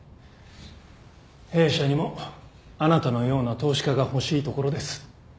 弊社にもあなたのような投資家が欲しいところです。